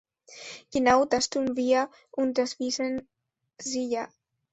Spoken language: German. Genau das tun wir, und das wissen sie ja.